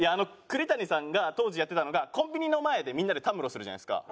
栗谷さんが当時やってたのがコンビニの前でみんなでたむろするじゃないですか。